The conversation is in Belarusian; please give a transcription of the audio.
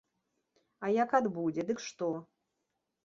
А як адбудзе, дык што?